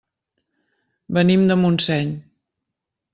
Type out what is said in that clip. Venim de Montseny.